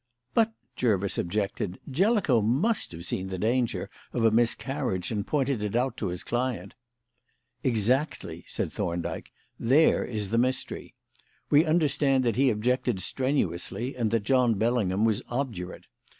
"But," Jervis objected, "Jellicoe must have seen the danger of a miscarriage and pointed it out to his client." "Exactly," said Thorndyke. "There is the mystery. We understand that he objected strenuously, and that John Bellingham was obdurate.